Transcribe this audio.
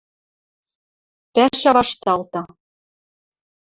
Пӓшӓ вашталты.